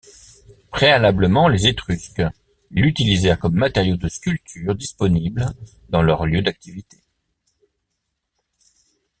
Préalablement les Étrusques l'utilisèrent comme matériau de sculpture disponible dans leurs lieux d'activité.